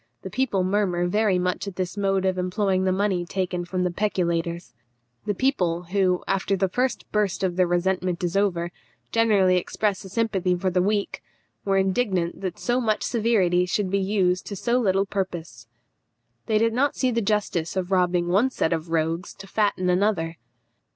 The people murmur very much at this mode of employing the money taken from the peculators." The people, who, after the first burst of their resentment is over, generally express a sympathy for the weak, were indignant that so much severity should be used to so little purpose. They did not see the justice of robbing one set of rogues to fatten another.